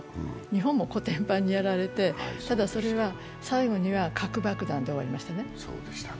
日本もコテンパンにやられて、ただそれは最後には核爆弾で終わりましたね。